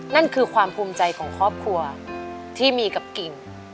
นั่นคือความภูมิใจของครอบครัวที่มีกับกิ่ง